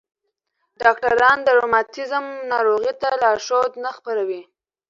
ډاکټران د روماتیزم ناروغۍ ته لارښود نه خپروي.